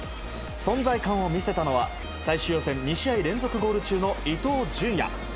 存在感を見せたのは最終予選２試合連続ゴール中の伊東純也。